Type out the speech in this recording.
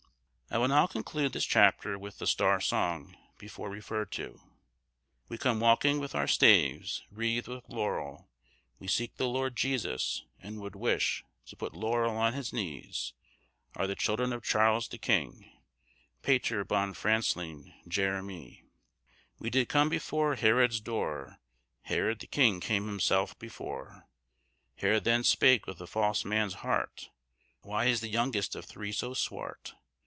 I will now conclude this chapter with the 'Star Song,' before referred to— "We come walking with our staves Wreathed with laurel, We seek the Lord Jesus, and would wish To put laurel on his knees; Are the children of Charles the King, Pater bonne Franselyn, Jeremie. We did come before Herod's door, &c. Herod, the king, came himself before, &c. Herod then spake with a false man's heart, &c. Why is the youngest of three so swart?